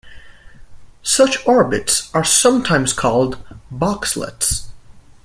Such orbits are sometimes called "boxlets".